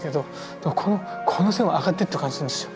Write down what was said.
でもこの線は上がっていった感じするんですよ。